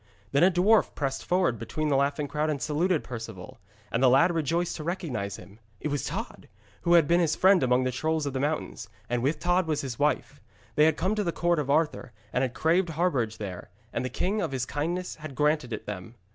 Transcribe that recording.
Then a dwarf pressed forward between the laughing crowd and saluted Perceval. And the lad rejoiced to recognise him. It was Tod, who had been his friend among the trolls of the mountains, and with Tod was his wife. They had come to the court of Arthur, and had craved harbourage there, and the king of his kindness had granted it them.